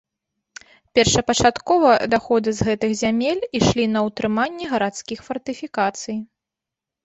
Першапачаткова даходы з гэтых зямель ішлі на ўтрыманне гарадскіх фартыфікацый.